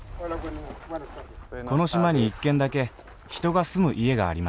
この島に１軒だけ人が住む家がありました